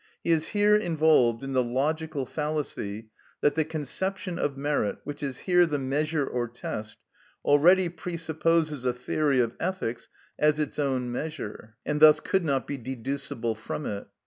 He is here involved in the logical fallacy that the conception of merit, which is here the measure or test, already presupposes a theory of ethics as its own measure, and thus could not be deducible from it.